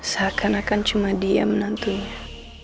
seakan akan cuma dia menantunya